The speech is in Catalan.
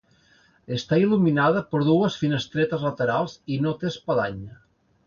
Està il·luminada per dues finestretes laterals i no té espadanya.